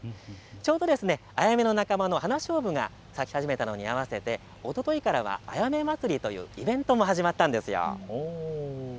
ちょうどアヤメの仲間のハナショウブが咲き始めたのに合わせておとといからはあやめ祭りというイベントも始まったんです。